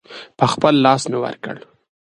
په خپل لاس مې ورکړ.